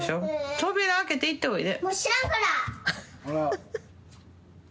扉開けて行っておいで。